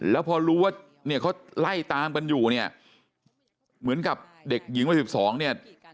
แล้วพอรู้ว่าเนี่ยเขาไล่ตามกันอยู่เนี่ยเหมือนกับเด็กหญิงวัย๑๒เนี่ย